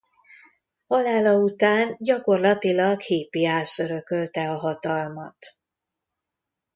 Halála után gyakorlatilag Hippiasz örökölte a hatalmat.